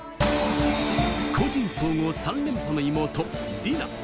個人総合３連覇の妹・ディナ。